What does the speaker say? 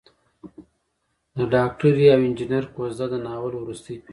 د ډاکټرې او انجنیر کوژده د ناول وروستۍ پېښه ده.